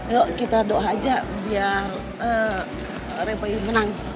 yuk kita doa aja biar reba ini menang